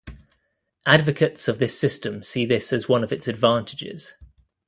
Advocates of this system see this as one of its advantages.